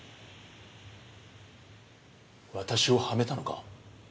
私をはめたのか？